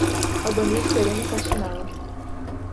Albanir Sereno Kaxinawa